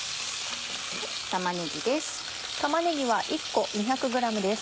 玉ねぎです。